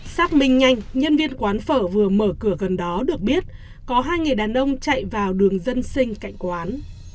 xác minh nhanh nhân viên quán phở vừa mở cửa gần đó được biết có hai người đàn ông chạy vào đường dân sinh cạnh quán